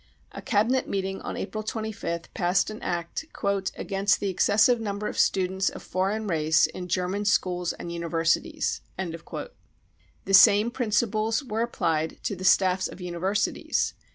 A Cabinet Meeting on April 25th passed an Act 66 against the excessive number of students of foreign race in German schools and universities." The same principals were applied to the staffs of uni versities.